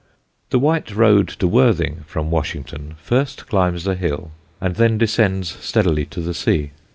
The white road to Worthing from Washington first climbs the hills and then descends steadily to the sea.